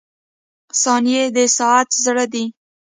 • ثانیې د ساعت زړه دی.